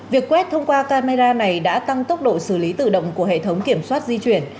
việc quét thông qua camera này đã tăng tốc độ xử lý tự động của hệ thống kiểm soát di chuyển